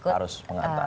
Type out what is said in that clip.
orang tua harus mengantar